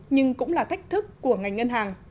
nhưng cũng là thách thức của ngành ngân hàng